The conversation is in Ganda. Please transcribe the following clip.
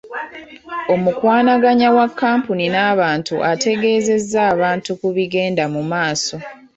Omukwanaganya wa kkampuni n'abantu ategeeza abantu ku bigenda mu maaso.